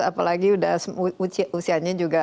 apalagi udah usianya juga